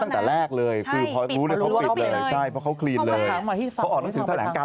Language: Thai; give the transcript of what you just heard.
ตั้งแต่แรกเลยคือพอรู้เนี่ยเขาปิดเลยใช่เพราะเขาคลีนเลยเขาออกหนังสือแถลงการ